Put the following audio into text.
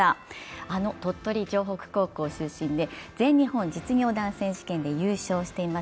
あの鳥取城北高校出身で全日本実業団選手権で優勝しています。